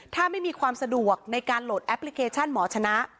ถ้าไม่มีความสะดวกในการโหลดแอปพลิเคชันหมอชนะ